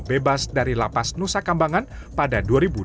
bebas dari lapas nusa kambangan pada dua ribu dua belas